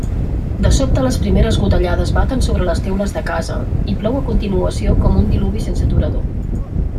De sobte les primeres gotellades baten sobre les teules de casa i plou a continuació com un diluvi sense aturador.